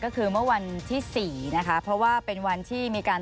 ก็คือเมื่อวันที่สี่นะคะเพราะว่าเป็นวันที่มีการ